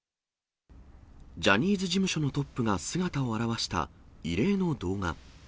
ジャニーズ事務所のトップが姿を現した異例の動画。